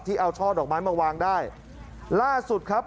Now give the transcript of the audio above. เอาช่อดอกไม้มาวางได้ล่าสุดครับ